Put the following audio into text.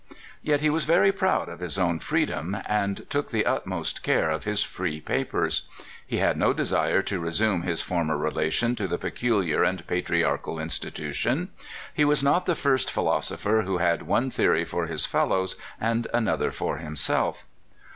Yet he was very proud of his own freedom, and took the utmost care of his free papers. He had no desire to resume his former relation to the pe culiar and patriarchal institution. He was not the first philosopher who had one theory for his fellows, and another for himself.